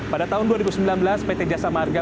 pada tahun dua ribu sembilan belas pt jasa marga